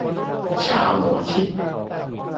ชาวหมอชิต